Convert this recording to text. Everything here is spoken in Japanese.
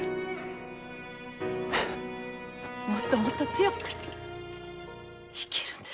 もっともっと強く生きるんです。